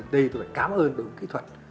đây tôi cảm ơn được kỹ thuật